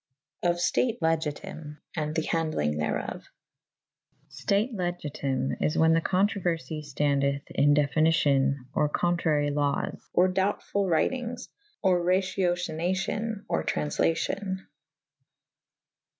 Of ftate legitime / and the handelynge therof. State legitime is whan the controuerfy ftandeth in definicyon or contrary lawes / or doutful wrytynges / or racyocynacyon / or tranflacyon.